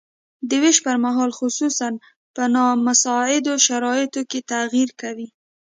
د ویش پرمهال خصوصاً په نامساعدو شرایطو کې تغیر کوي.